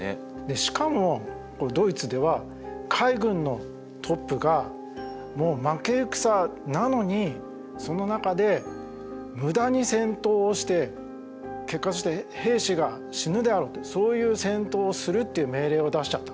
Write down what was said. しかもドイツでは海軍のトップがもう負け戦なのにその中で無駄に戦闘をして結果として兵士が死ぬであろうってそういう戦闘をするっていう命令を出しちゃった。